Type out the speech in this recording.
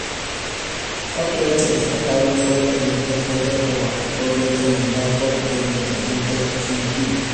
Otro hecho destacable fue el intento de revocatoria del mandato del Intendente Gentile.